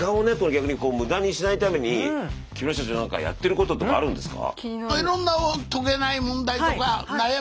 逆に無駄にしないために木村社長何かやってることとかあるんですか？